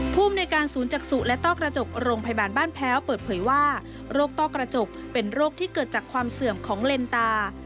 ภูมิในการศูนย์จักษุและต้อกระจกโรงพยาบาลบ้านแพ้วเปิดเผยว่าโรคต้อกระจกเป็นโรคที่เกิดจากความเสื่อมของเลนตา